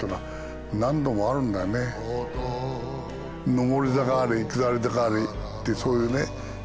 上り坂あり下り坂ありってそういうね。